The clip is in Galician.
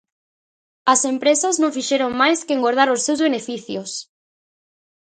As empresas non fixeron máis que engordar os seus beneficios.